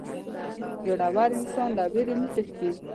• زړور انسان له وېرې نه تښتي.